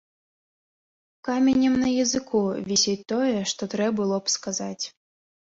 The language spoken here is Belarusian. Каменем на языку вісіць тое, што трэ было б сказаць.